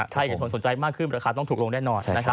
ถ้าเกิดผลสนใจมากขึ้นประการต้องถูกลงแน่นอน